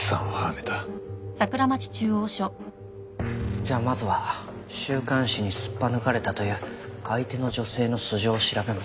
じゃあまずは週刊誌にすっぱ抜かれたという相手の女性の素性を調べますか。